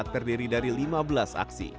terdiri dari lima belas aksi